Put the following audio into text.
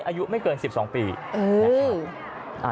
อายุไม่เกิน๑๒ปีนะคะ